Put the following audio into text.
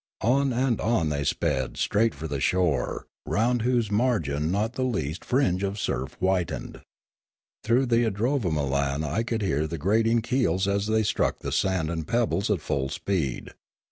On and on they sped straight for the shore, round whose margin not the least fringe of surf whitened. Through the idrovamolau I could hear the grating keels as they struck the sand and pebbles at full speed.